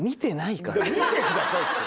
見てくださいって。